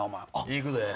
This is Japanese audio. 行くで。